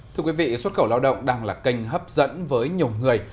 thưa quý vị xuất khẩu lao động đang là kênh hấp dẫn với nhiều người